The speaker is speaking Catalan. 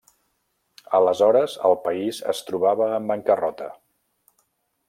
Aleshores el país es trobava en bancarrota.